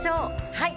はい！